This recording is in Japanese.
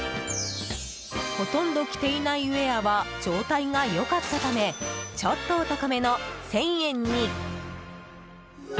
ほとんど着ていないウェアは状態が良かったためちょっとお高めの１０００円に！